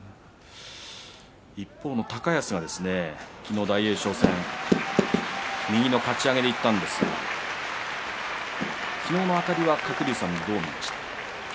一方、高安、大栄翔戦右のかち上げでいったんですが昨日のあたりは鶴竜さん、どう見ましたか？